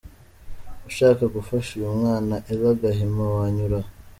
Ushaka gufasha uyu mwana Ella Gahima wanyura aha:.